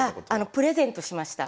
プレゼントしました。